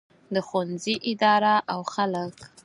د ښوونځي اداره او خلک.